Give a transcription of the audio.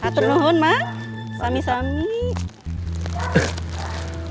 satu dohon mak